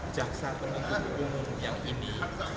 jaksa penuntut umum yang ini